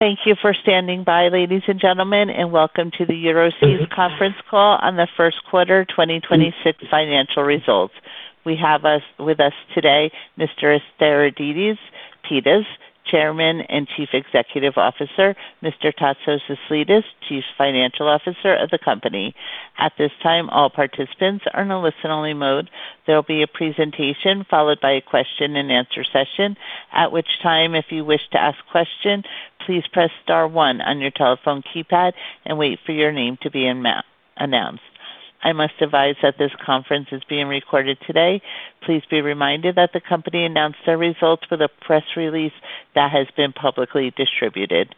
Thank you for standing by, ladies and gentlemen. Welcome to the Euroseas conference call on the first quarter 2026 financial results. We have with us today Mr. Aristides Pittas, Chairman and Chief Executive Officer, Mr. Anastasios Aslidis, Chief Financial Officer of the company. At this time, all participants are in a listen-only mode. There will be a presentation followed by a question and answer session. At which time, if you wish to ask question, please press star one on your telephone keypad and wait for your name to be announced. I must advise that this conference is being recorded today. Please be reminded that the company announced their results with a press release that has been publicly distributed.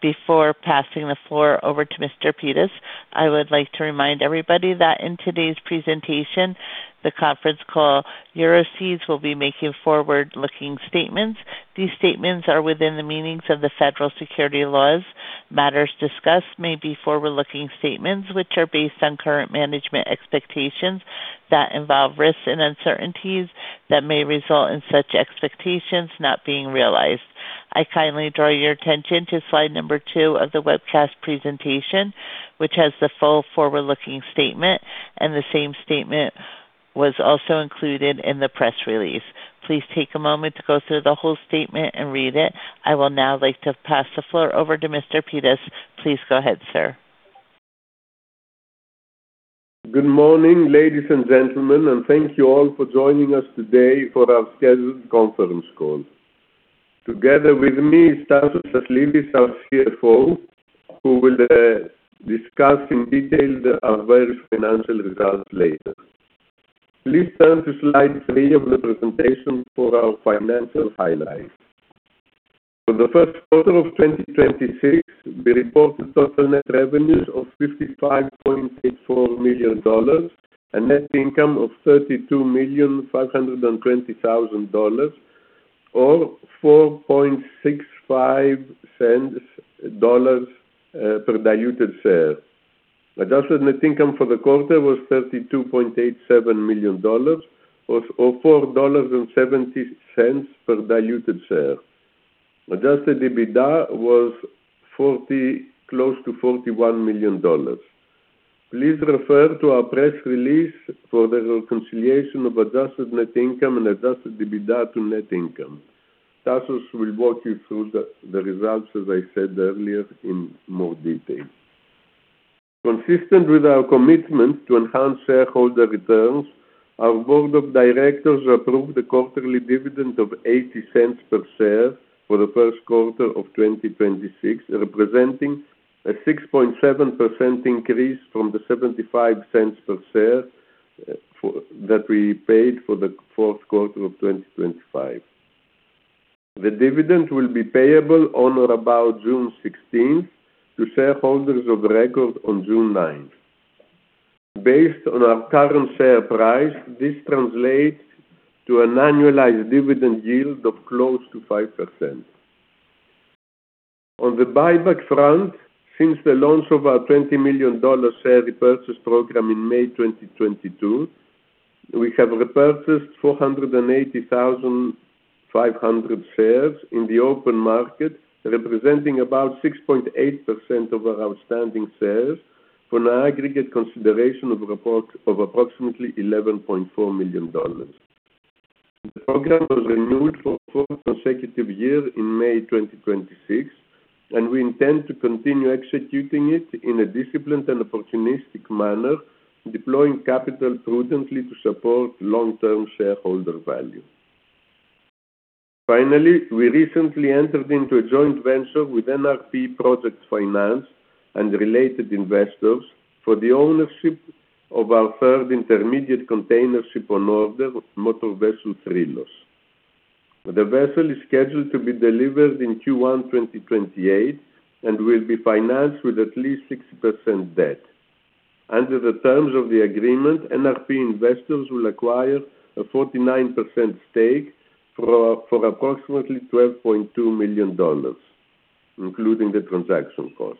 Before passing the floor over to Mr. Pittas, I would like to remind everybody that in today's presentation, the conference call, Euroseas will be making forward-looking statements. These statements are within the meanings of the Federal Security laws. Matters discussed may be forward-looking statements which are based on current management expectations that involve risks and uncertainties that may result in such expectations not being realized. I kindly draw your attention to slide number two of the webcast presentation, which has the full forward-looking statement, and the same statement was also included in the press release. Please take a moment to go through the whole statement and read it. I will now like to pass the floor over to Mr. Pittas. Please go ahead, Sir. Good morning, ladies and gentlemen, and thank you all for joining us today for our scheduled conference call. Together with me is Anastasios Aslidis, our CFO, who will discuss in detail our various financial results later. Please turn to slide three of the presentation for our financial highlights. For the first quarter of 2026, we reported total net revenues of $55.84 million, a net income of $32.52 million Or $0.465 per diluted share. Adjusted net income for the quarter was $32.87 million, or $4.70 per diluted share. Adjusted EBITDA was close to $41 million. Please refer to our press release for the reconciliation of adjusted net income and adjusted EBITDA to net income. Anastasios will walk you through the results, as I said earlier, in more detail. Consistent with our commitment to enhance shareholder returns, our Board of Directors approved a quarterly dividend of $0.80 per share for the first quarter of 2026, representing a 6.7% increase from the $0.75 per share that we paid for the fourth quarter of 2025. The dividend will be payable on or about June 16th to shareholders of record on June 9th. Based on our current share price, this translates to an annualized dividend yield of close to 5%. On the buyback front, since the launch of our $20 million share repurchase program in May 2022, we have repurchased 480,500 shares in the open market, representing about 6.8% of our outstanding shares for an aggregate consideration of approximately $11.4 million. The program was renewed for a fourth consecutive year in May 2026, and we intend to continue executing it in a disciplined and opportunistic manner, deploying capital prudently to support long-term shareholder value. Finally, we recently entered into a joint venture with NRP Project Finance and related investors for the ownership of our third intermediate container ship on order with motor vessel Thrillos. The vessel is scheduled to be delivered in Q1 2028 and will be financed with at least 60% debt. Under the terms of the agreement, NRP investors will acquire a 49% stake for approximately $12.2 million, including the transaction cost.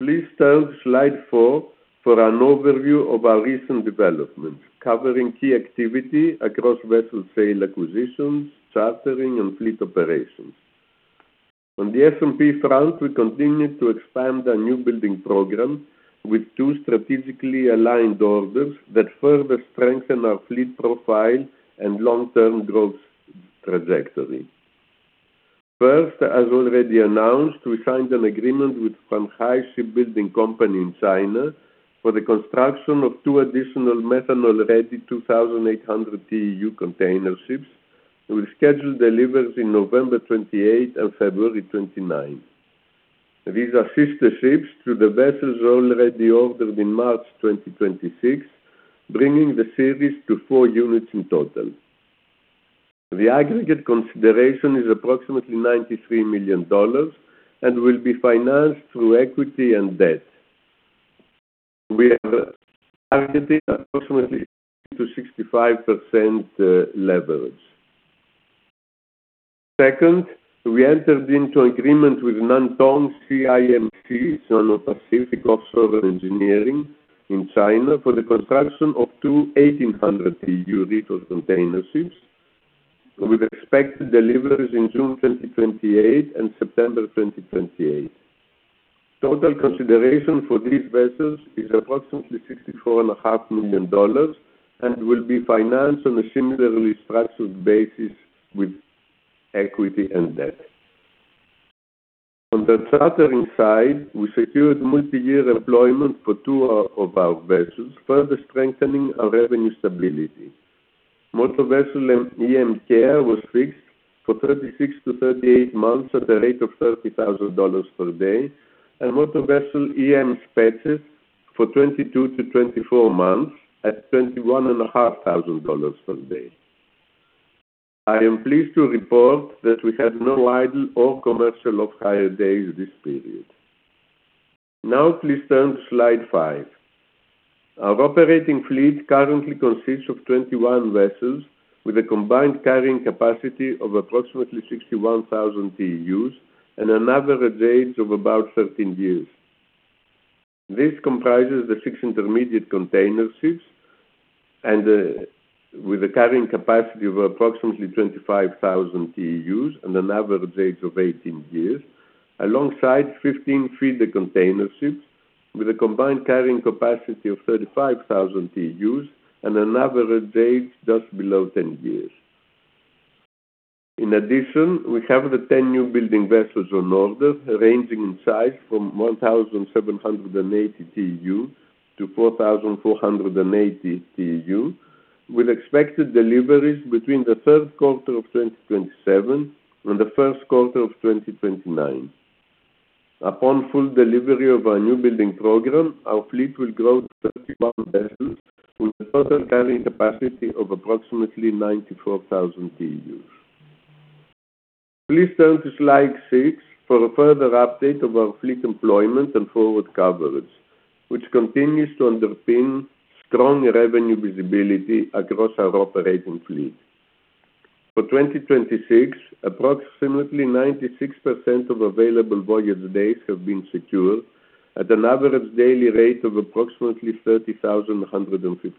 Please turn to slide four for an overview of our recent developments, covering key activity across vessel sale acquisitions, chartering, and fleet operations. On the S&P front, we continue to expand our new building program with two strategically aligned orders that further strengthen our fleet profile and long-term growth trajectory. First, as already announced, we signed an agreement with Pang Hai Shipbuilding Company in China for the construction of two additional methanol-ready 2,800 TEU container ships with scheduled deliveries in November 2028 and February 2029. These are sister ships to the vessels already ordered in March 2026, bringing the series to four units in total. The aggregate consideration is approximately $93 million and will be financed through equity and debt. We have targeted approximately 65% leverage. Second, we entered into agreement with Nantong CIMC Sinopacific Offshore & Engineering in China for the construction of two 1,800 TEU feeder container ships, with expected deliveries in June 2028 and September 2028. Total consideration for these vessels is approximately $64.5 million and will be financed on a similarly structured basis with equity and debt. On the chartering side, we secured multi-year employment for two of our vessels, further strengthening our revenue stability. Motor vessel EM Kea was fixed for 36 months-38 months at a rate of $30,000 per day, and motor vessel EM Spetses for 22 months-24 months at $21,500 per day. I am pleased to report that we had no idle or commercial off-hire days this period. Please turn to slide five. Our operating fleet currently consists of 21 vessels with a combined carrying capacity of approximately 61,000 TEUs and an average age of about 13 years. This comprises the six intermediate container ships with a carrying capacity of approximately 25,000 TEUs and an average age of 18 years, alongside 15 feeder container ships with a combined carrying capacity of 35,000 TEUs and an average age just below 10 years. In addition, we have the 10 new building vessels on order, ranging in size from 1,780 TEU-4,480 TEU, with expected deliveries between the third quarter of 2027 and the first quarter of 2029. Upon full delivery of our new building program, our fleet will grow to 31 vessels with a total carrying capacity of approximately 94,000 TEUs. Please turn to slide six, for a further update of our fleet employment and forward coverage, which continues to underpin strong revenue visibility across our operating fleet. For 2026, approximately 96% of available voyage days have been secured at an average daily rate of approximately $30,150.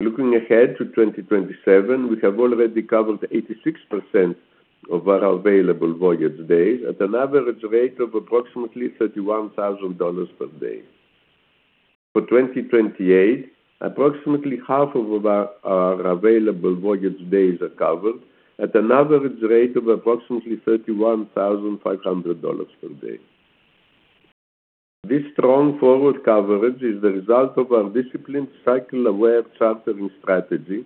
Looking ahead to 2027, we have already covered 86% of our available voyage days at an average rate of approximately $31,000 per day. For 2028, approximately half of our available voyage days are covered at an average rate of approximately $31,500 per day. This strong forward coverage is the result of our disciplined cycle-aware chartering strategy,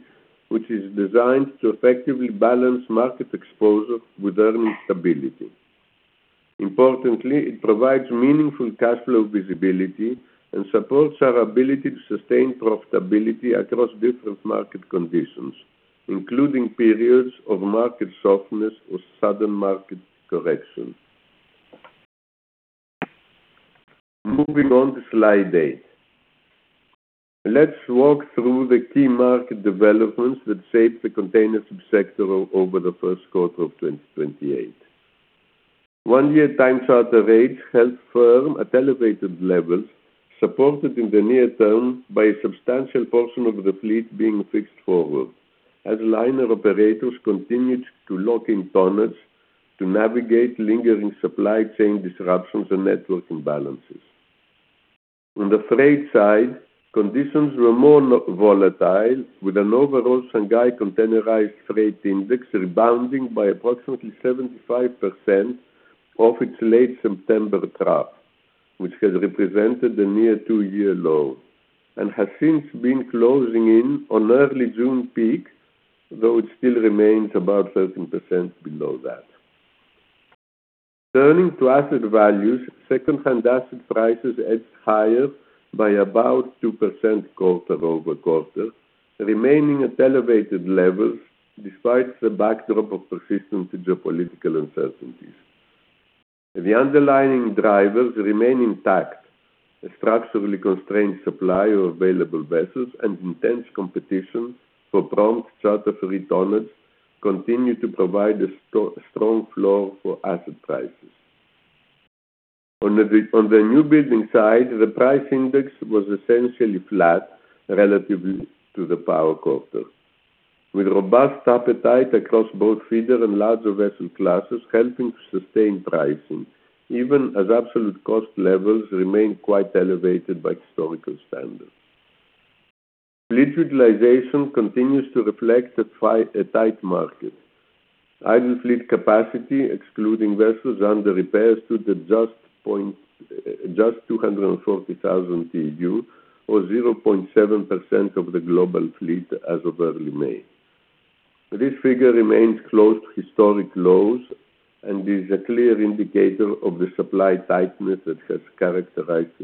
which is designed to effectively balance market exposure with earning stability. Importantly, it provides meaningful cash flow visibility and supports our ability to sustain profitability across different market conditions, including periods of market softness or sudden market correction. Moving on to slide eight. Let's walk through the key market developments that shaped the container ship sector over the first quarter of 2028. One-year time charter rates held firm at elevated levels, supported in the near term by a substantial portion of the fleet being fixed forward, as liner operators continued to lock in tonnage to navigate lingering supply chain disruptions and network imbalances. On the freight side, conditions were more volatile with an overall Shanghai Containerized Freight Index rebounding by approximately 75% off its late September trough, which has represented a near two-year low and has since been closing in on early June peak, though it still remains about 13% below that. Turning to asset values, secondhand asset prices edged higher by about 2% quarter-over-quarter, remaining at elevated levels despite the backdrop of persistent geopolitical uncertainties. The underlying drivers remain intact. A structurally constrained supply of available vessels and intense competition for prompt charter-free tonnage continue to provide a strong flow for asset prices. On the new building side, the price index was essentially flat relative to the prior quarter, with robust appetite across both feeder and larger vessel classes helping to sustain pricing even as absolute cost levels remain quite elevated by historical standards. Fleet utilization continues to reflect a tight market. Idle fleet capacity excluding vessels under repair stood at just 240,000 TEU or 0.7% of the global fleet as of early May. This figure remains close to historic lows and is a clear indicator of the supply tightness that has characterized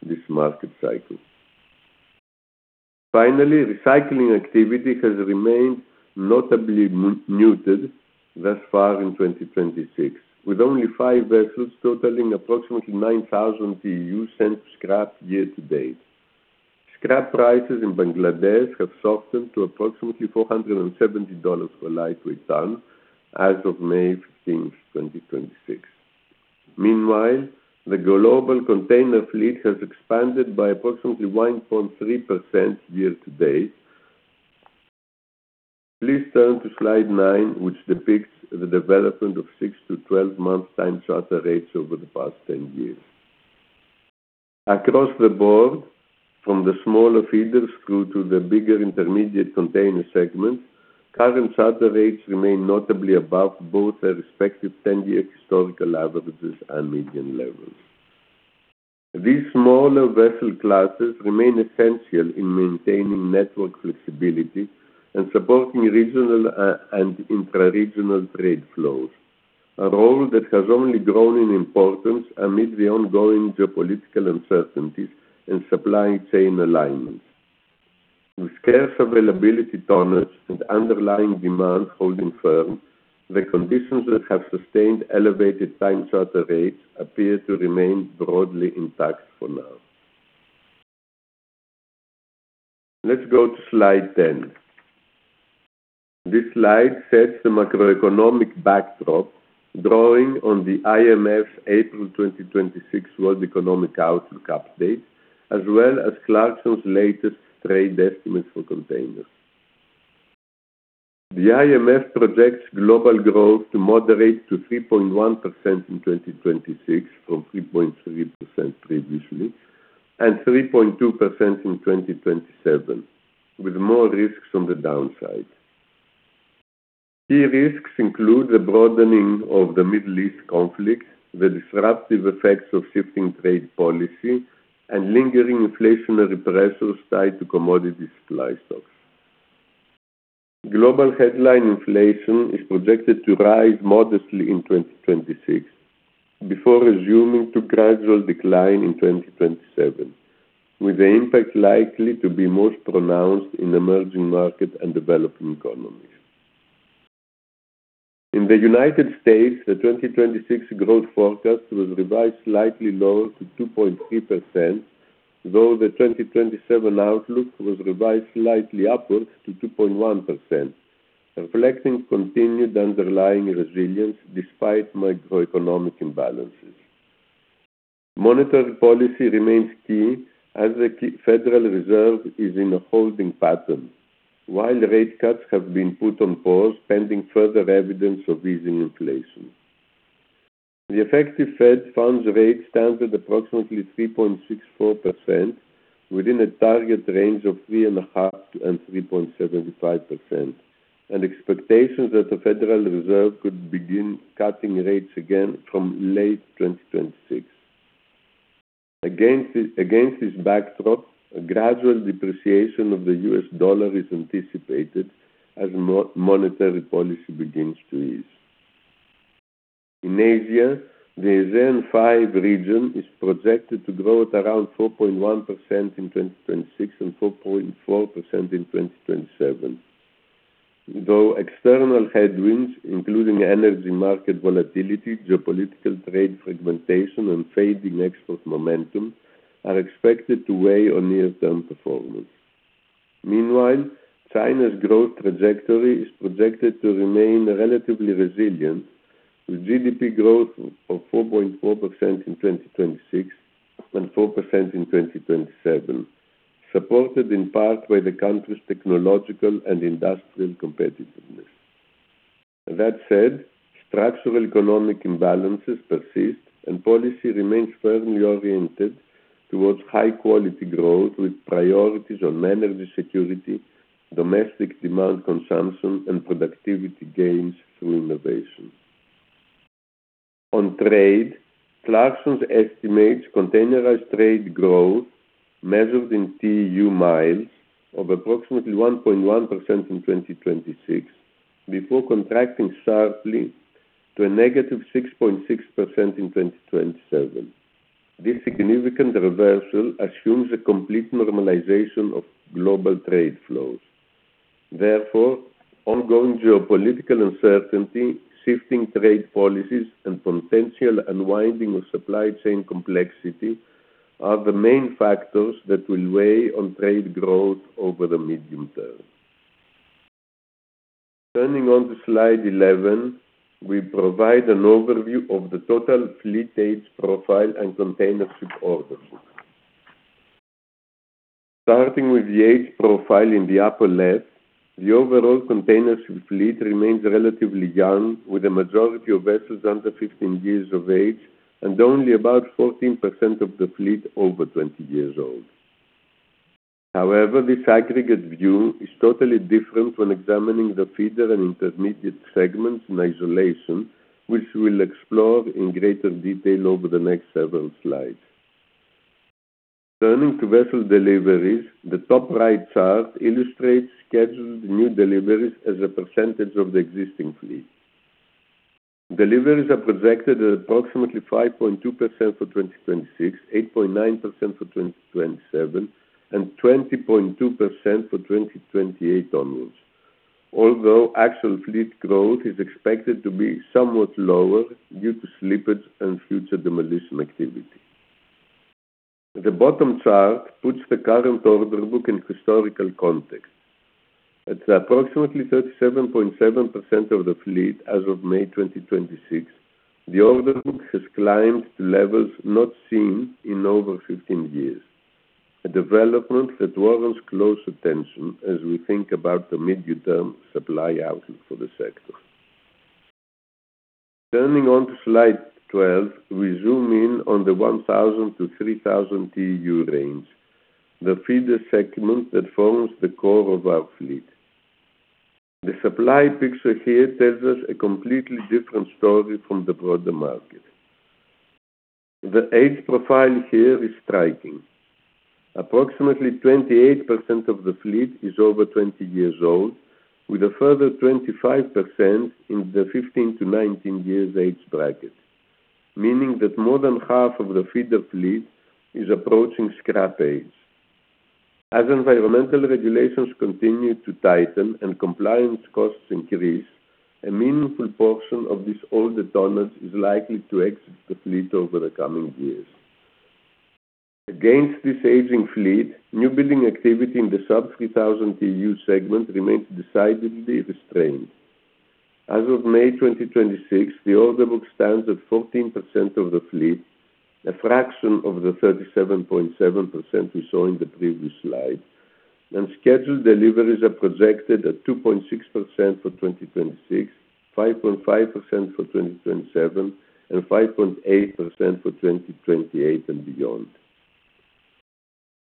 this market cycle. Recycling activity has remained notably muted thus far in 2026, with only five vessels totaling approximately 9,000 TEU sent to scrap year-to-date. Scrap prices in Bangladesh have softened to approximately $470 for lightweight ton as of May 15th, 2026. Meanwhile, the global container fleet has expanded by approximately 1.3% year-to-date. Please turn to slide nine, which depicts the development of six to 12 month time charter rates over the past 10 years. Across the board, from the smaller feeders through to the bigger intermediate container segment. Current charter rates remain notably above both their respective 10-year historical averages and median levels. These smaller vessel classes remain essential in maintaining network flexibility and supporting regional and intra-regional trade flows, a role that has only grown in importance amid the ongoing geopolitical uncertainties and supply chain alignments. With scarce availability tonnage and underlying demand holding firm, the conditions that have sustained elevated time charter rates appear to remain broadly intact for now. Let's go to slide 10. This slide sets the macroeconomic backdrop, drawing on the IMF April 2026 World Economic Outlook update, as well as Clarksons latest trade estimates for containers. The IMF projects global growth to moderate to 3.1% in 2026 from 3.3% previously, and 3.2% in 2027, with more risks on the downside. Key risks include the broadening of the Middle East conflict, the disruptive effects of shifting trade policy, and lingering inflationary pressures tied to commodity supply stocks. Global headline inflation is projected to rise modestly in 2026 before resuming to gradual decline in 2027, with the impact likely to be most pronounced in emerging market and developing economies. In the United States, the 2026 growth forecast was revised slightly lower to 2.3%, though the 2027 outlook was revised slightly upwards to 2.1%, reflecting continued underlying resilience despite macroeconomic imbalances. Monetary policy remains key as the Federal Reserve is in a holding pattern, while rate cuts have been put on pause, pending further evidence of easing inflation. The effective Fed funds rate stands at approximately 3.64%, within a target range of 3.5% and 3.75%, and expectations that the Federal Reserve could begin cutting rates again from late 2026. Against this backdrop, a gradual depreciation of the U.S. dollar is anticipated as monetary policy begins to ease. In Asia, the ASEAN-5 region is projected to grow at around 4.1% in 2026 and 4.4% in 2027. Though external headwinds, including energy market volatility, geopolitical trade fragmentation, and fading export momentum, are expected to weigh on near-term performance. Meanwhile, China's growth trajectory is projected to remain relatively resilient, with GDP growth of 4.4% in 2026 and 4% in 2027, supported in part by the country's technological and industrial competitiveness. That said, structural economic imbalances persist and policy remains firmly oriented towards high-quality growth with priorities on energy security, domestic demand consumption, and productivity gains through innovation. On trade, Clarksons estimates containerized trade growth measured in TEU miles of approximately 1.1% in 2026 before contracting sharply to a -6.6% in 2027. This significant reversal assumes a complete normalization of global trade flows. Therefore, ongoing geopolitical uncertainty, shifting trade policies, and potential unwinding of supply chain complexity are the main factors that will weigh on trade growth over the medium term. Turning on to slide 11, we provide an overview of the total fleet age profile and container ship order book. Starting with the age profile in the upper left, the overall container ship fleet remains relatively young, with a majority of vessels under 15 years of age and only about 14% of the fleet over 20 years old. However, this aggregate view is totally different when examining the feeder and intermediate segments in isolation, which we'll explore in greater detail over the next several slides. Turning to vessel deliveries, the top right chart illustrates scheduled new deliveries as a percentage of the existing fleet. Deliveries are projected at approximately 5.2% for 2026, 8.9% for 2027, and 20.2% for 2028 onwards. Actual fleet growth is expected to be somewhat lower due to slippage and future demolition activity. The bottom chart puts the current order book in historical context. At approximately 37.7% of the fleet as of May 2026, the order book has climbed to levels not seen in over 15 years, a development that warrants close attention as we think about the midterm supply outlook for the sector. Turning on to slide 12, we zoom in on the 1,000-3,000 TEU range, the feeder segment that forms the core of our fleet. The supply picture here tells us a completely different story from the broader market. The age profile here is striking. Approximately 28% of the fleet is over 20 years old, with a further 25% in the 15 years-19 years age bracket, meaning that more than half of the feeder fleet is approaching scrap age. As environmental regulations continue to tighten and compliance costs increase, a meaningful portion of this older tonnage is likely to exit the fleet over the coming years. Against this aging fleet, new building activity in the sub 3,000 TEU segment remains decidedly restrained. As of May 2026, the order book stands at 14% of the fleet, a fraction of the 37.7% we saw in the previous slide, and scheduled deliveries are projected at 2.6% for 2026, 5.5% for 2027, and 5.8% for 2028 and beyond.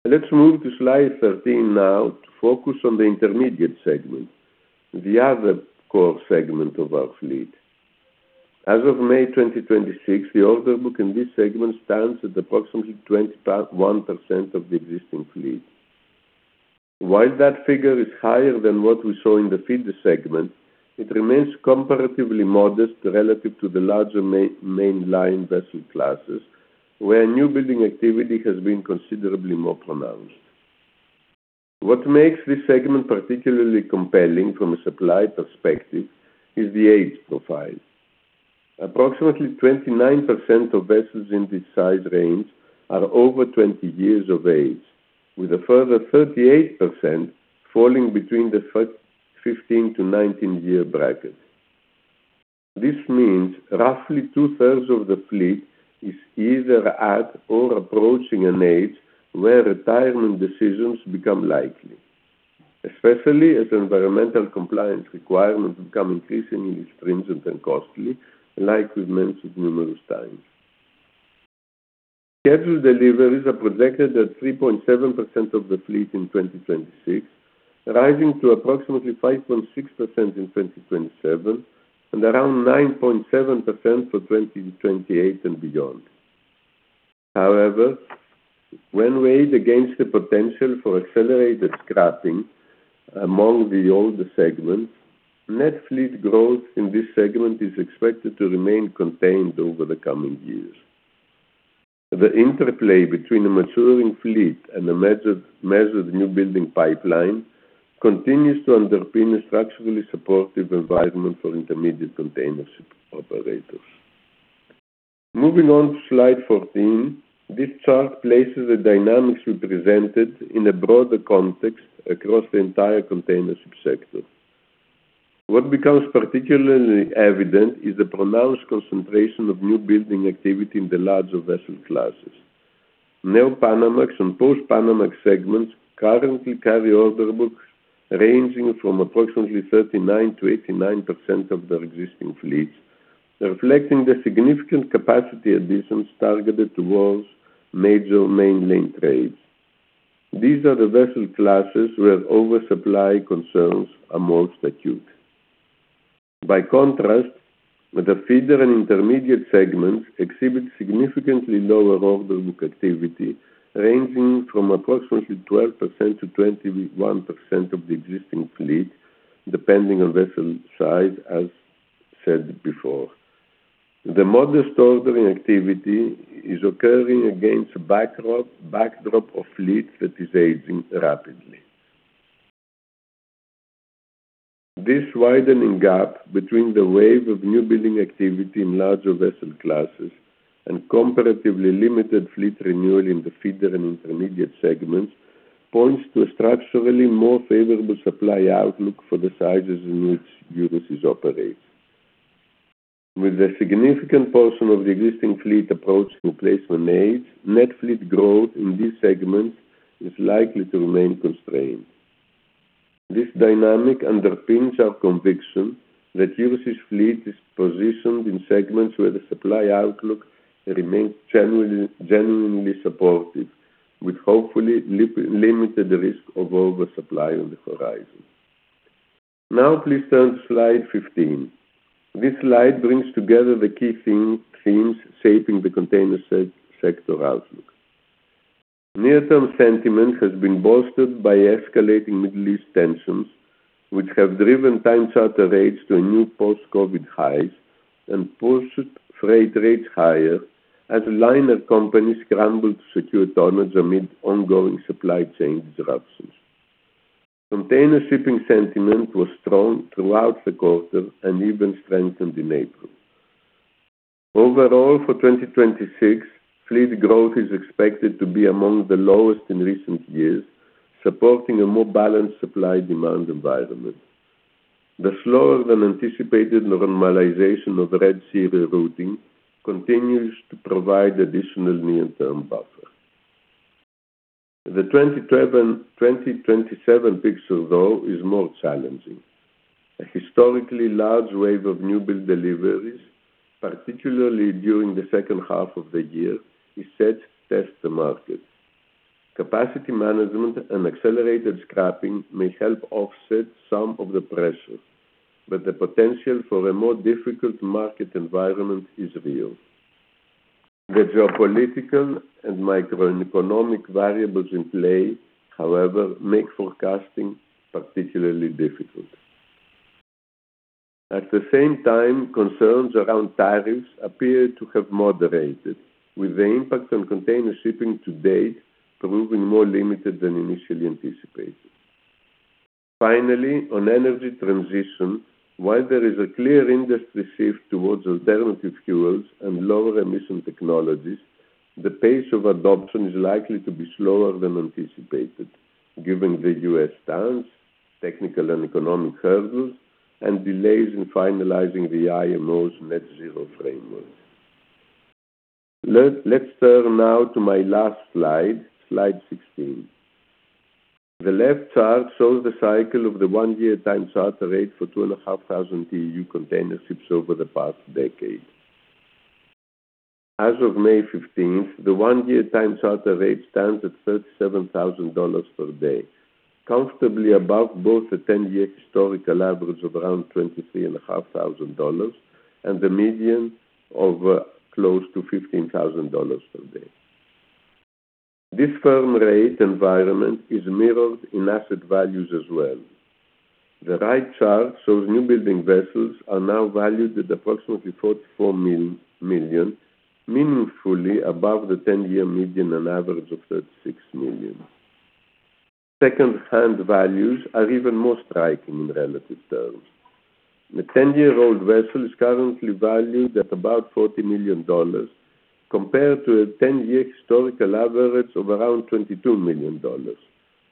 Let's move to slide 13 now to focus on the intermediate segment, the other core segment of our fleet. As of May 2026, the order book in this segment stands at approximately 21% of the existing fleet. While that figure is higher than what we saw in the feeder segment, it remains comparatively modest relative to the larger mainline vessel classes, where new building activity has been considerably more pronounced. What makes this segment particularly compelling from a supply perspective is the age profile. Approximately 29% of vessels in this size range are over 20 years of age, with a further 38% falling between the 15 year-19 year bracket. This means roughly 2/3 of the fleet is either at or approaching an age where retirement decisions become likely, especially as environmental compliance requirements become increasingly stringent and costly, like we've mentioned numerous times. Scheduled deliveries are projected at 3.7% of the fleet in 2026, rising to approximately 5.6% in 2027 and around 9.7% for 2028 and beyond. When weighed against the potential for accelerated scrapping among the older segment, net fleet growth in this segment is expected to remain contained over the coming years. The interplay between a maturing fleet and a measured new building pipeline continues to underpin a structurally supportive environment for intermediate container ship operators. Moving on to slide 14, this chart places the dynamics we presented in a broader context across the entire container ship sector. What becomes particularly evident is the pronounced concentration of new building activity in the larger vessel classes. Neopanamax and Post-Panamax segments currently carry order books ranging from approximately 39%-89% of their existing fleets, reflecting the significant capacity additions targeted towards major main lane trades. These are the vessel classes where oversupply concerns are most acute. By contrast, the feeder and intermediate segments exhibit significantly lower order book activity, ranging from approximately 12%-21% of the existing fleet, depending on vessel size as said before. The modest ordering activity is occurring against a backdrop of fleet that is aging rapidly. This widening gap between the wave of new building activity in larger vessel classes and comparatively limited fleet renewal in the feeder and intermediate segments points to a structurally more favorable supply outlook for the sizes in which Euroseas operates. With a significant portion of the existing fleet approaching replacement age, net fleet growth in this segment is likely to remain constrained. This dynamic underpins our conviction that Euroseas fleet is positioned in segments where the supply outlook remains genuinely supportive with hopefully limited risk of oversupply on the horizon. Now, please turn to slide 15. This slide brings together the key themes shaping the container sector outlook. Near-term sentiment has been bolstered by escalating Middle East tensions, which have driven time charter rates to new post-COVID highs and pushed freight rates higher as liner companies scrambled to secure tonnage amid ongoing supply chain disruptions. Container shipping sentiment was strong throughout the quarter and even strengthened in April. Overall, for 2026, fleet growth is expected to be among the lowest in recent years, supporting a more balanced supply-demand environment. The slower-than-anticipated normalization of Red Sea rerouting continues to provide additional near-term buffer. The 2027 picture, though, is more challenging. A historically large wave of newbuild deliveries, particularly during the second half of the year, is set to test the market. Capacity management and accelerated scrapping may help offset some of the pressure, but the potential for a more difficult market environment is real. The geopolitical and macroeconomic variables in play, however, make forecasting particularly difficult. At the same time, concerns around tariffs appear to have moderated, with the impact on container shipping to date proving more limited than initially anticipated. Finally, on energy transition, while there is a clear industry shift towards alternative fuels and lower-emission technologies, the pace of adoption is likely to be slower than anticipated, given the U.S. stance, technical and economic hurdles, and delays in finalizing the IMO's net zero framework. Let's turn now to my last slide 16. The left chart shows the cycle of the one-year time charter rate for 2,500 TEU container ships over the past decade. As of May 15th, the one-year time charter rate stands at $37,000 per day, comfortably above both the 10-year historical average of around $23,500 and the median of close to $15,000 per day. This firm rate environment is mirrored in asset values as well. The right chart shows newbuilding vessels are now valued at approximately $44 million, meaningfully above the 10-year median and average of $36 million. Second-hand values are even more striking in relative terms. The 10-year-old vessel is currently valued at about $40 million, compared to a 10-year historical average of around $22 million,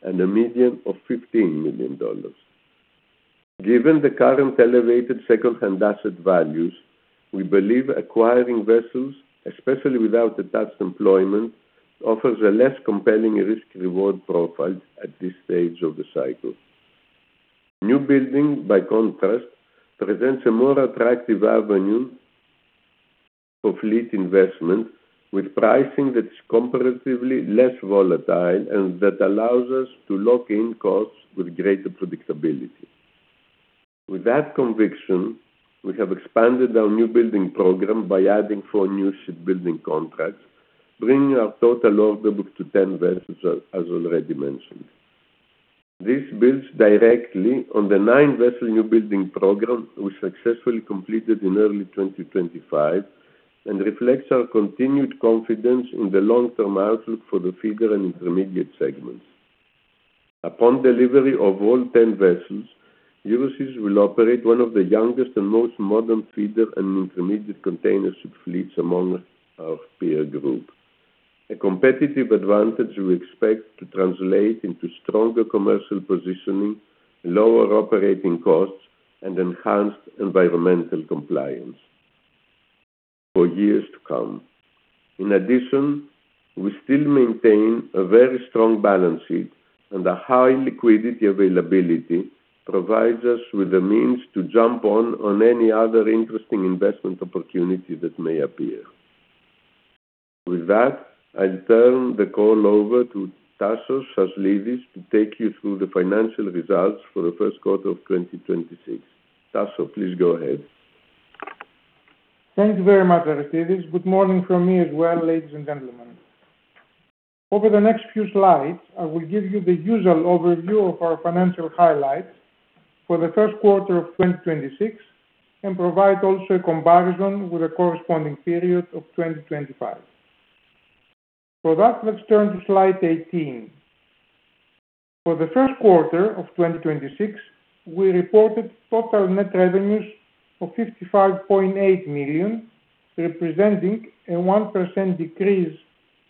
and a median of $15 million. Given the current elevated secondhand asset values, we believe acquiring vessels, especially without attached employment, offers a less compelling risk-reward profile at this stage of the cycle. Newbuilding, by contrast, presents a more attractive avenue of fleet investment, with pricing that's comparatively less volatile and that allows us to lock in costs with greater predictability. With that conviction, we have expanded our newbuilding program by adding four new shipbuilding contracts, bringing our total order book to 10 vessels, as already mentioned. This builds directly on the nine-vessel newbuilding program we successfully completed in early 2025 and reflects our continued confidence in the long-term outlook for the feeder and intermediate segments. Upon delivery of all 10 vessels, Euroseas will operate one of the youngest and most modern feeder and intermediate container ship fleets among our peer group, a competitive advantage we expect to translate into stronger commercial positioning, lower operating costs, and enhanced environmental compliance for years to come. In addition, we still maintain a very strong balance sheet, and a high liquidity availability provides us with the means to jump on any other interesting investment opportunity that may appear. With that, I'll turn the call over to Anastasios Aslidis to take you through the financial results for the first quarter of 2026. Anastasios, please go ahead. Thank you very much, Aristides. Good morning from me as well, ladies and gentlemen. Over the next few slides, I will give you the usual overview of our financial highlights for the first quarter of 2026 and provide also a comparison with the corresponding period of 2025. For that, let's turn to slide 18. For the first quarter of 2026, we reported total net revenues of $55.8 million, representing a 1% decrease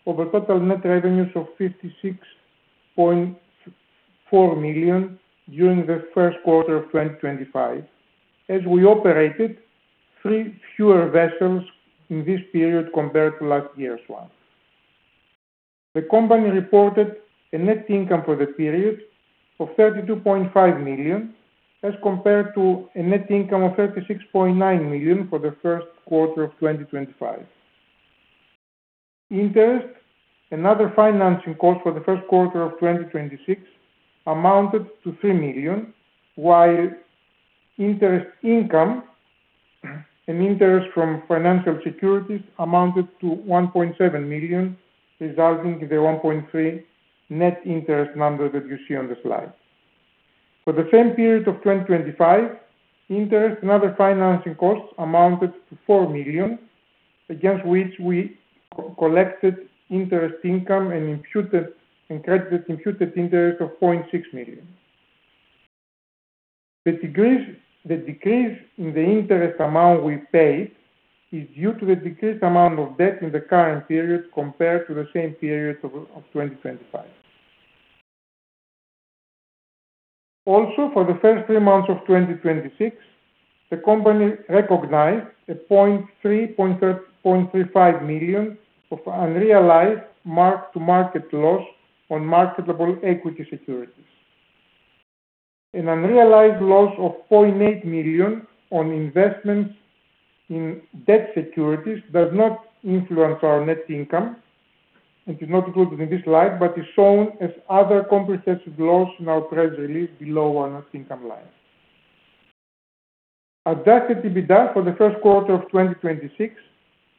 over total net revenues of $56.4 million during the first quarter of 2025. As we operated three fewer vessels in this period compared to last year's one. The company reported a net income for the period of $32.5 million as compared to a net income of $36.9 million for the first quarter of 2025. Interest and other financing costs for the first quarter of 2026 amounted to $3 million, while interest income and interest from financial securities amounted to $1.7 million, resulting in the $1.3 net interest number that you see on the slide. For the same period of 2025, interest and other financing costs amounted to $4 million, against which we collected interest income and credited imputed interest of $0.6 million. The decrease in the interest amount we paid is due to the decreased amount of debt in the current period compared to the same period of 2025. Also, for the first three months of 2026, the company recognized a $0.35 million of unrealized mark-to-market loss on marketable equity securities. An unrealized loss of $0.8 million on investments in debt securities does not influence our net income and is not included in this slide, but is shown as other comprehensive loss in our press release below our net income line. Adjusted EBITDA for the first quarter of 2026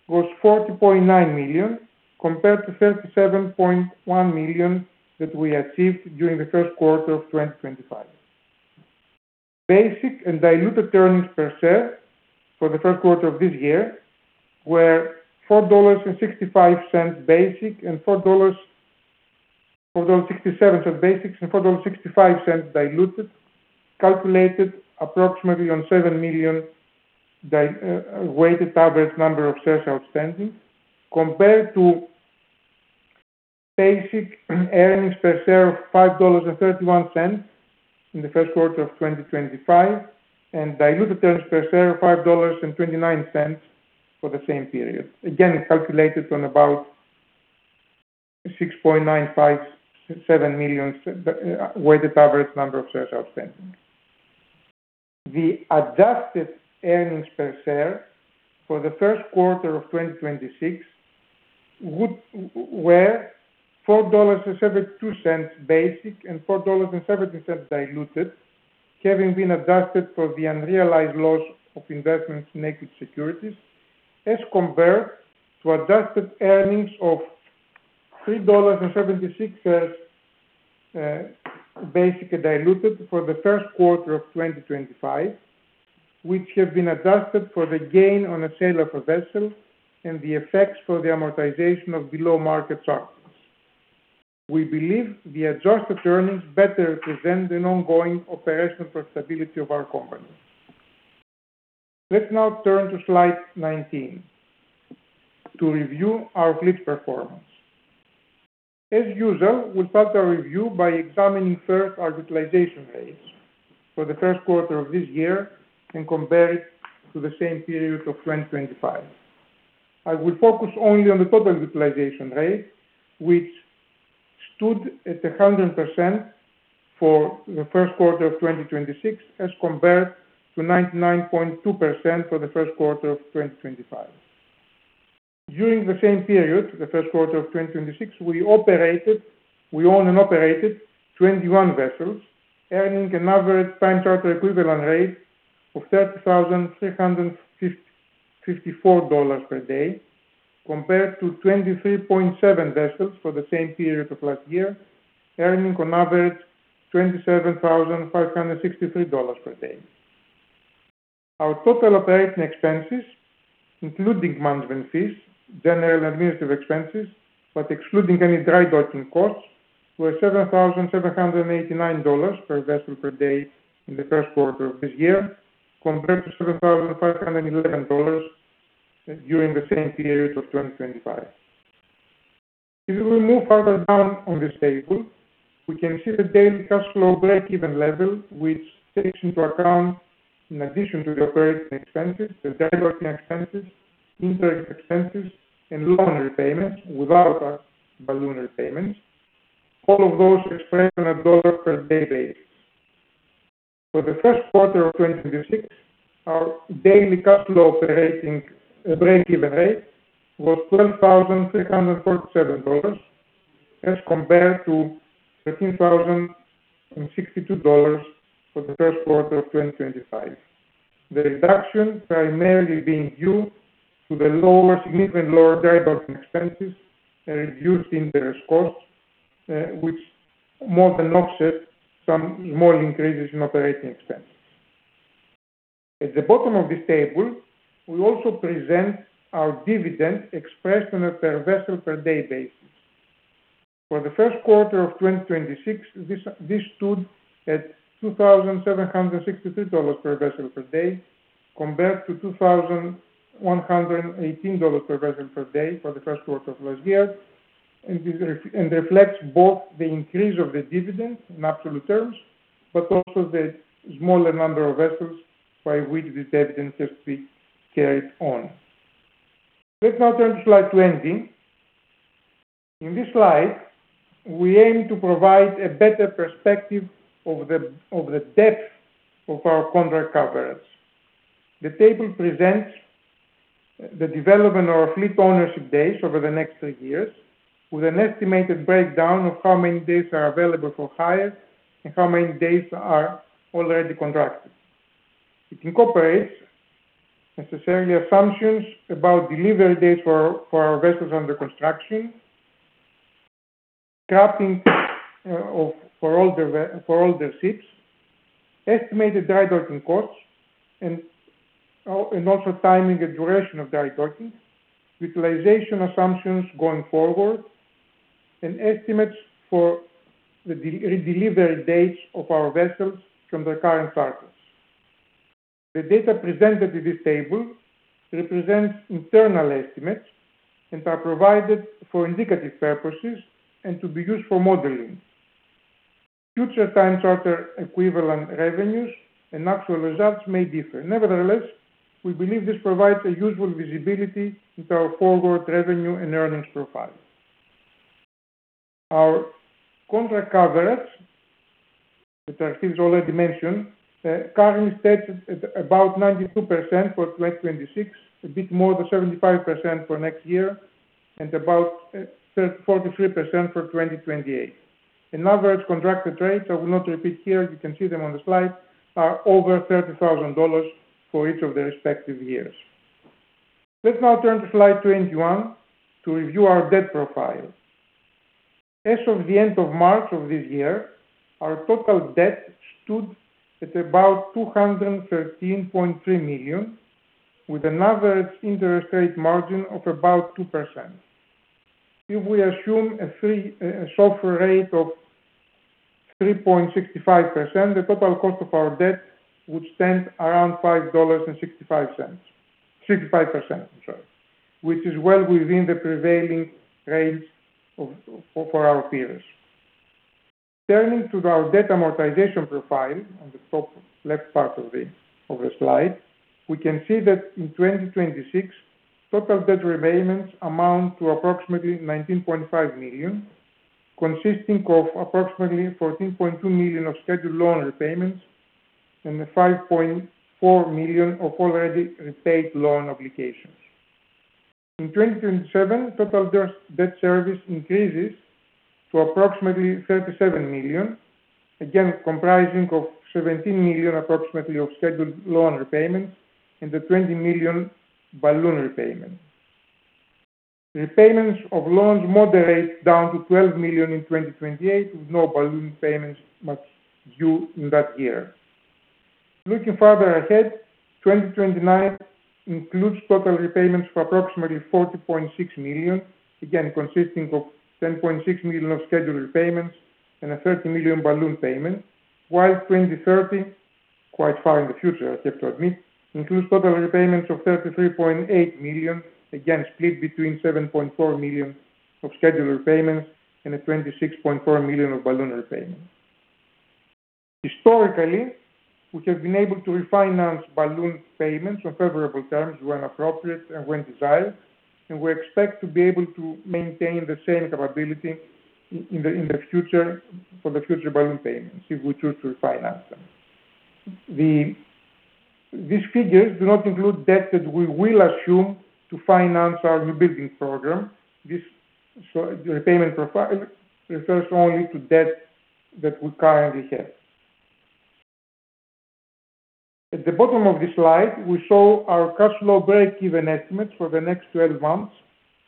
was $40.9 million compared to $37.1 million that we achieved during the first quarter of 2025. Basic and diluted earnings per share for the first quarter of this year were $4.65 basic and $4.67 of basics and $4.65 diluted, calculated approximately on seven million weighted average number of shares outstanding, compared to basic earnings per share of $5.31 in the first quarter of 2025, and diluted earnings per share of $5.29 for the same period. Again, calculated on about 6.957 million weighted average number of shares outstanding. The adjusted earnings per share for the first quarter of 2026 were $4.72 basic and $4.17 diluted, having been adjusted for the unrealized loss of investments in equity securities, as compared to adjusted earnings of $3.76 basic and diluted for the first quarter of 2025, which have been adjusted for the gain on the sale of a vessel and the effects for the amortization of below market charters. We believe the adjusted earnings better present an ongoing operational profitability of our company. Let's now turn to slide 19 to review our fleet performance. As usual, we'll start our review by examining first our utilization rates for the first quarter of this year and compare it to the same period of 2025. I will focus only on the total utilization rate, which stood at 100% for the first quarter of 2026 as compared to 99.2% for the first quarter of 2025. During the same period, the first quarter of 2026, we owned and operated 21 vessels, earning an average time charter equivalent rate of $30,354 per day, compared to 23.7 vessels for the same period of last year, earning on average $27,563 per day. Our total operating expenses, including management fees, general administrative expenses, but excluding any dry docking costs, were $7,789 per vessel per day in the first quarter of this year, compared to $7,511 during the same period of 2025. If we move further down on this table, we can see the daily cash flow breakeven level, which takes into account, in addition to the operating expenses, the dry docking expenses, interest expenses, and loan repayments without balloon repayments, all of those expressed on a dollar per day basis. For the first quarter of 2026 our daily cash flow operating breakeven rate was $12,347 as compared to $13,062 for the first quarter of 2025. The reduction primarily being due to the significantly lower dry docking expenses and reduced interest costs, which more than offset some small increases in operating expenses. At the bottom of this table, we also present our dividend expressed on a per vessel per day basis. For the first quarter of 2026, this stood at $2,763 per vessel per day compared to $2,118 per vessel per day for the first quarter of last year. Reflects both the increase of the dividend in absolute terms, but also the smaller number of vessels by which this dividend has to be carried on. Let's now turn to slide 20. In this slide, we aim to provide a better perspective of the depth of our contract coverage. The table presents the development of our fleet ownership days over the next three years with an estimated breakdown of how many days are available for hire and how many days are already contracted. It incorporates necessary assumptions about delivery dates for our vessels under construction. Scrapping for older ships, estimated drydocking costs and also timing and duration of drydocking, utilization assumptions going forward, and estimates for the redelivery dates of our vessels from their current charters. The data presented in this table represents internal estimates and are provided for indicative purposes and to be used for modeling. Future time charter equivalent revenues and actual results may differ. Nevertheless, we believe this provides a useful visibility into our forward revenue and earnings profile. Our contract coverage, which Aristides already mentioned, currently states about 92% for 2026, a bit more than 75% for next year, and about 43% for 2028. An average contracted rates, I will not repeat here, you can see them on the slide, are over $30,000 for each of the respective years. Let's now turn to slide 21 to review our debt profile. As of the end of March of this year, our total debt stood at about $213.3 million, with an average interest rate margin of about 2%. If we assume a SOFR rate of 3.65%, the total cost of our debt would stand around 5.65%, I'm sorry. Which is well within the prevailing range for our peers. Turning to our debt amortization profile on the top left part of the slide, we can see that in 2026, total debt repayments amount to approximately $19.5 million, consisting of approximately $14.2 million of scheduled loan repayments and the $5.4 million of already repaid loan obligations. In 2027, total debt service increases to approximately $37 million, again, comprising of $17 million approximately of scheduled loan repayments and a $20 million balloon repayment. Repayments of loans moderate down to $12 million in 2028, with no balloon payments much due in that year. Looking farther ahead, 2029 includes total repayments of approximately $40.6 million, again, consisting of $10.6 million of scheduled repayments and a $30 million balloon payment. 2030, quite far in the future, I have to admit, includes total repayments of $33.8 million, again, split between $7.4 million of scheduled repayments and a $26.4 million of balloon repayment. Historically, we have been able to refinance balloon payments on favorable terms when appropriate and when desired, and we expect to be able to maintain the same capability in the future for the future balloon payments if we choose to refinance them. These figures do not include debt that we will assume to finance our new building program. This repayment profile refers only to debt that we currently have. At the bottom of this slide, we show our cash flow breakeven estimates for the next 12 months,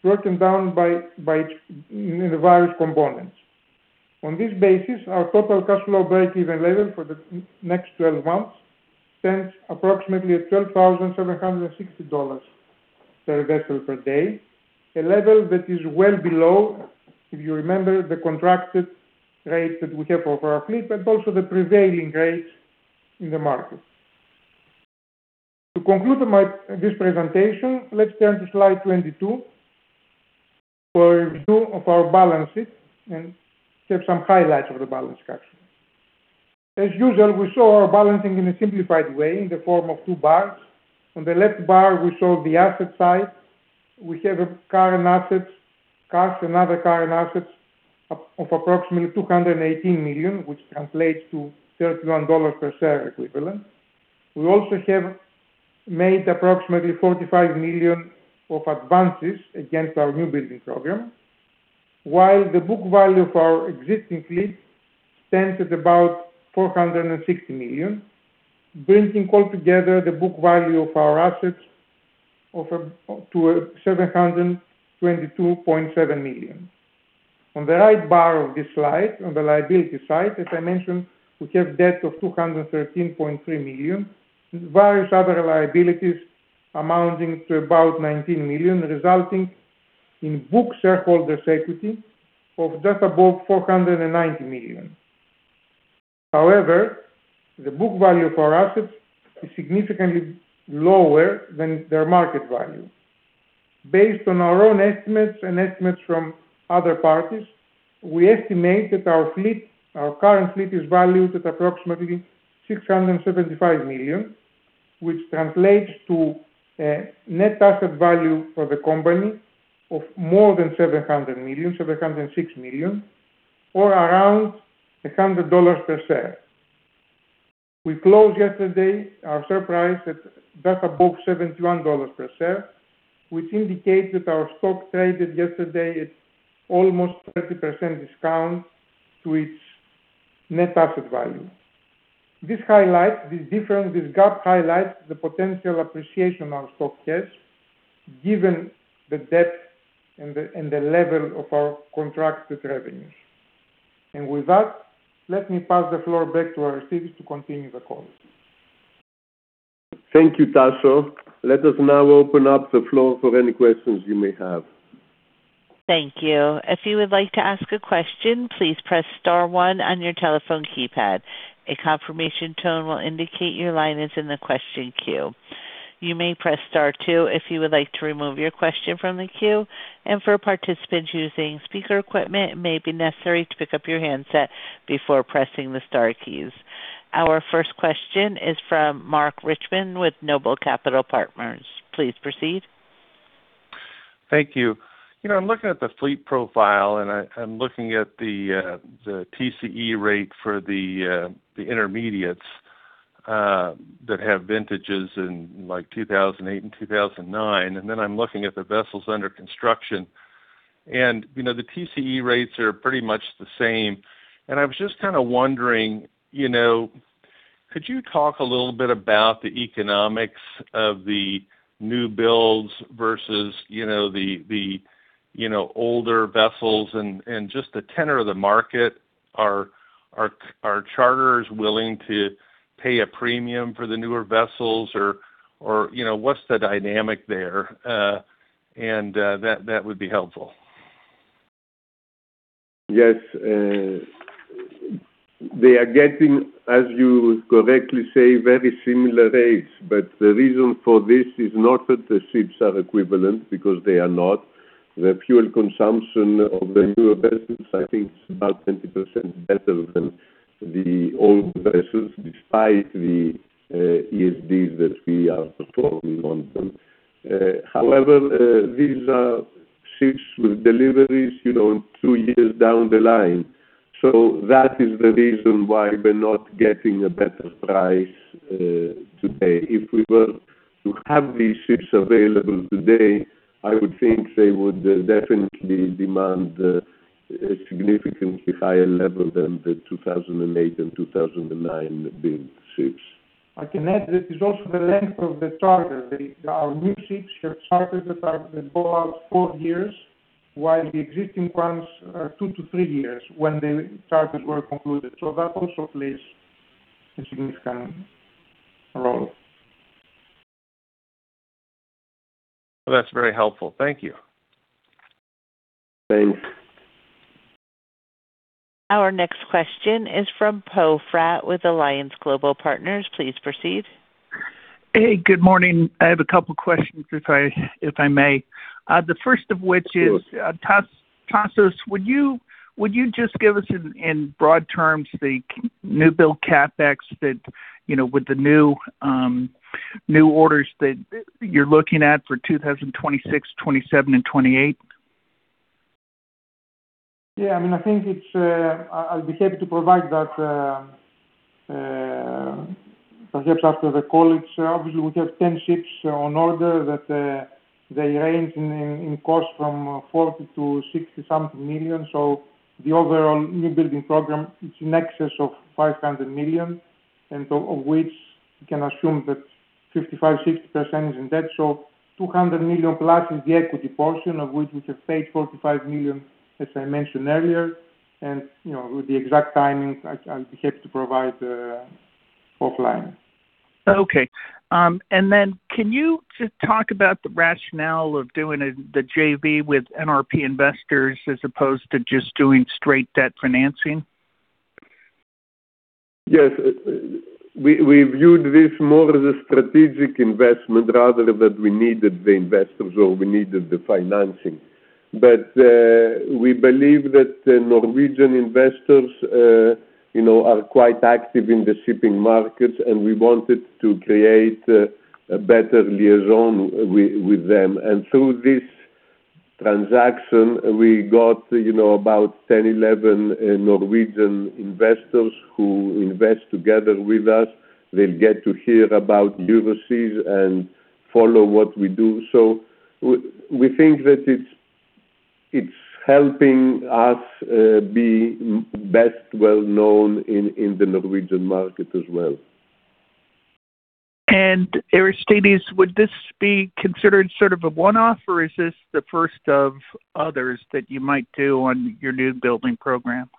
broken down in the various components. On this basis, our total cash flow breakeven level for the next 12 months stands approximately at $12,760 per vessel per day, a level that is well below, if you remember, the contracted rate that we have for our fleet, but also the prevailing rates in the market. To conclude this presentation, let's turn to slide 22 for a review of our balance sheet and have some highlights of the balance sheet, actually. As usual, we show our balancing in a simplified way in the form of two bars. On the left bar, we show the asset side. We have current assets, cash and other current assets of approximately $218 million, which translates to $31 per share equivalent. We also have made approximately $45 million of advances against our new building program, while the book value for our existing fleet stands at about $460 million, bringing altogether the book value of our assets to $722.7 million. On the right bar of this slide, on the liability side, as I mentioned, we have debt of $213.3 million and various other liabilities amounting to about $19 million, resulting in book shareholders' equity of just above $490 million. However, the book value for assets is significantly lower than their market value. Based on our own estimates and estimates from other parties, we estimate that our current fleet is valued at approximately $675 million, which translates to a net asset value for the company of more than $700 million, $706 million, or around $100 per share. We closed yesterday, our share price at just above $71 per share, which indicates that our stock traded yesterday at almost 30% discount to its net asset value. This gap highlights the potential appreciation of our stock price, given the depth and the level of our contracted revenues. With that, let me pass the floor back to Aristides to continue the call. Thank you, Anastasios. Let us now open up the floor for any questions you may have. Thank you. If you would like to ask a question, please press star one on your telephone keypad. A confirmation tone will indicate your line is in the question queue. You may press star two if you would like to remove your question from the queue, and for participants using speaker equipment, it may be necessary to pick up your handset before pressing the star keys. Our first question is from Mark Reichman with Noble Capital Markets. Please proceed. Thank you. I'm looking at the fleet profile. I'm looking at the TCE rate for the intermediates that have vintages in 2008 and 2009. I'm looking at the vessels under construction. The TCE rates are pretty much the same. I was just wondering, could you talk a little bit about the economics of the new builds versus the older vessels and just the tenor of the market? Are charters willing to pay a premium for the newer vessels or what's the dynamic there? That would be helpful. Yes. They are getting, as you correctly say, very similar rates. The reason for this is not that the ships are equivalent, because they are not. The fuel consumption of the newer vessels, I think, is about 20% better than the old vessels, despite the ESDs that we are performing on them. However, these are ships with deliveries two years down the line. That is the reason why we're not getting a better price today. If we were to have these ships available today, I would think they would definitely demand a significantly higher level than the 2008 and 2009 build ships. I can add, this is also the length of the charter. Our new ships have charters that go out four years, while the existing ones are two to three years when the charters were concluded. That also plays a significant role. That's very helpful. Thank you. Thanks. Our next question is from Poe Fratt with Alliance Global Partners. Please proceed. Hey, good morning. I have a couple questions if I may. The first of which is. Sure. Anastasios, would you just give us in broad terms the new build CapEx with the new orders that you're looking at for 2026, 2027, and 2028? Yeah, I'll be happy to provide that perhaps after the call. Obviously, we have 10 ships on order that they range in cost from $40 million-$60-something million. The overall new building program, it's in excess of $500 million, and of which you can assume that 55%-60% is in debt. $200 million+ is the equity portion, of which we have paid $45 million, as I mentioned earlier. With the exact timings, I'll be happy to provide offline. Okay. Can you just talk about the rationale of doing the JV with NRP Investors as opposed to just doing straight debt financing? Yes. We viewed this more as a strategic investment rather than we needed the investors or we needed the financing. We believe that Norwegian investors are quite active in the shipping markets, and we wanted to create a better liaison with them. Through this transaction, we got about 10-11 Norwegian investors who invest together with us. They'll get to hear about Euroseas and follow what we do. We think that it's helping us be best well-known in the Norwegian market as well. Aristides, would this be considered sort of a one-off or is this the first of others that you might do on your new building program?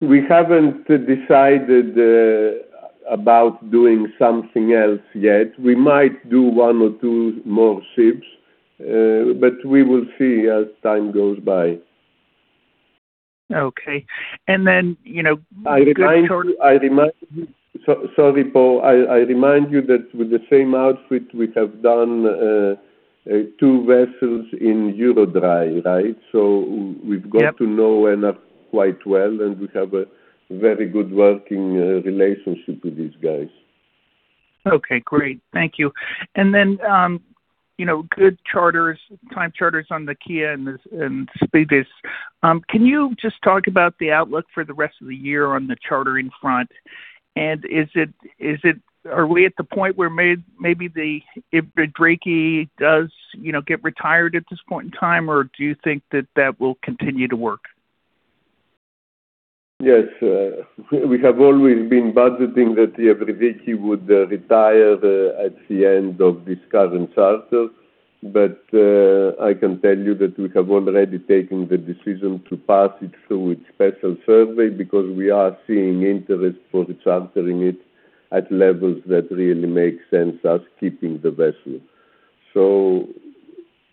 We haven't decided about doing something else yet. We might do one or two more ships, but we will see as time goes by. Okay. Sorry, Poe, I remind you that with the same outfit we have done two vessels in EuroDry, right? Yep. We've got to know NRP quite well, and we have a very good working relationship with these guys. Okay, great. Thank you. Good time charters on the EM Kea and EM Spetses. Can you just talk about the outlook for the rest of the year on the chartering front? Are we at the point where maybe the EVRIDIKI G does get retired at this point in time or do you think that that will continue to work? Yes. We have always been budgeting that the EVRIDIKI G would retire at the end of this current charter, but I can tell you that we have already taken the decision to pass it through its special survey because we are seeing interest for chartering it at levels that really make sense us keeping the vessel.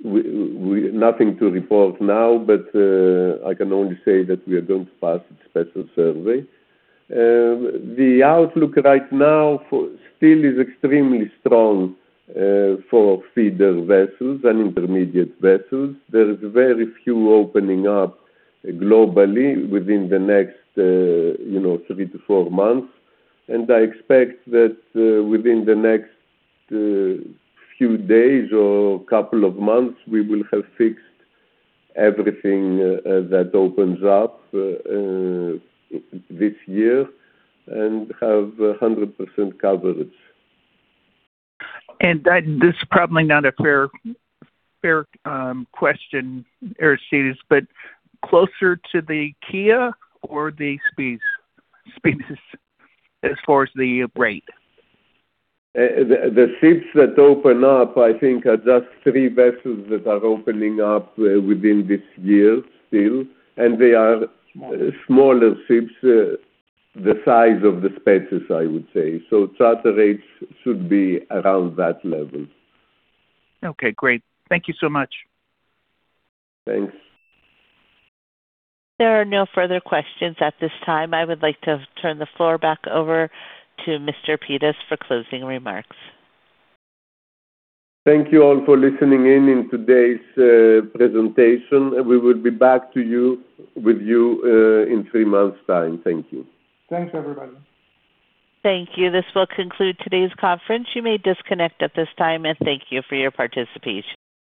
Nothing to report now, but I can only say that we are going to pass its special survey. The outlook right now still is extremely strong for feeder vessels and intermediate vessels. There is very few opening up globally within the next three to four months, and I expect that within the next few days or couple of months. We will have fixed everything that opens up this year and have 100% coverage. This is probably not a fair question, Aristides, but closer to the EM Kea or the EM Spetses as far as the rate? The ships that open up, I think, are just three vessels that are opening up within this year, still, and they are smaller ships the size of the EM Spetses, I would say. Charter rates should be around that level. Okay, great. Thank you so much. Thanks. There are no further questions at this time. I would like to turn the floor back over to Mr. Pittas for closing remarks. Thank you all for listening in today's presentation. We will be back with you in three months' time. Thank you. Thanks, everybody. Thank you. This will conclude today's conference. You may disconnect at this time, and thank you for your participation.